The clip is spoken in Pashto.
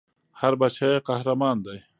هر بــچی ېي قـــهــــــــرمان دی